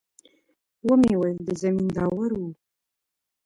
ومې ويل د زمينداورو.